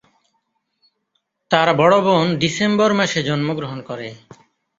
তার বড় বোন ডিসেম্বর মাসে জন্মগ্রহণ করে।